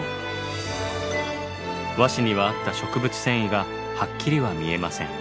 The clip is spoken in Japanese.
和紙にはあった植物繊維がはっきりは見えません。